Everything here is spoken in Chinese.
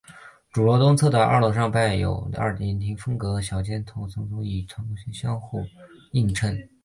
主楼东侧的二楼上有拜占廷风格的小尖穹顶与塔楼相互映衬。